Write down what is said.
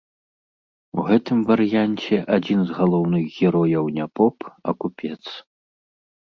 У гэтым варыянце адзін з галоўных герояў не поп, а купец.